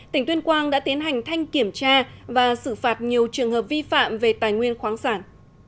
tỉnh tuyên quang đã tiến hành thanh kiểm tra và xử phạt nhiều trường hợp vi phạm về tài nguyên khoáng sản